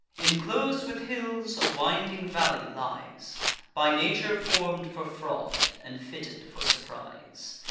Inclos'd with hills, a winding valley lies, By nature form'd for fraud, and fitted for surprise.